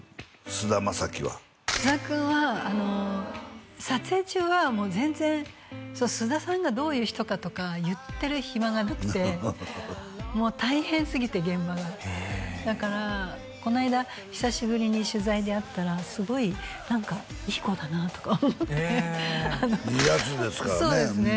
菅田将暉は菅田君は撮影中は全然菅田さんがどういう人かとか言ってる暇がなくてもう大変すぎて現場がだからこの間久しぶりに取材で会ったらすごい何かいい子だなとか思っていいヤツですからね